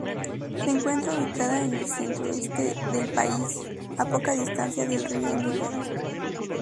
Se encuentra ubicada en el centro-oeste del país, a poca distancia del río Níger.